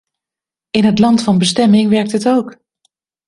In het land van bestemming werkt het ook!